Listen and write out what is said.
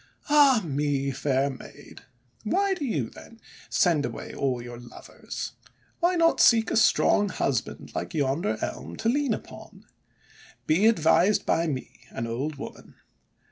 "Ah me! fair Maid! Why do you, then, send away all your lovers? Why not seek a strong husband, like yonder Elm, to lean upon? Be advised by me, an old woman!